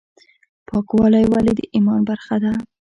پاکوالی ولې د ایمان برخه ده؟